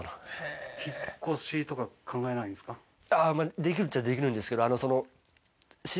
できるっちゃできるんですけどその。